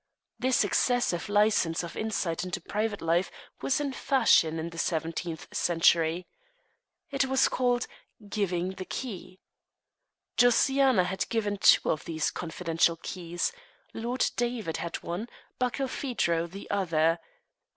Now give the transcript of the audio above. This excessive licence of insight into private life was in fashion in the seventeenth century. It was called "giving the key." Josiana had given two of these confidential keys Lord David had one, Barkilphedro the other.